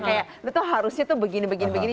itu harusnya tuh begini begini begini